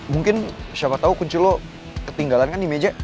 mungkin siapa tahu kunci lo ketinggalan kan di meja